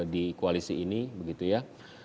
di koalisi ini begitu ya